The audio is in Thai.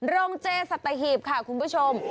โรงเจสัตหีบค่ะคุณผู้ชม